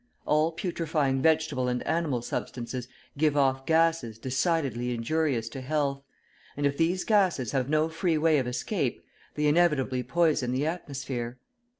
All putrefying vegetable and animal substances give off gases decidedly injurious to health, and if these gases have no free way of escape, they inevitably poison the atmosphere.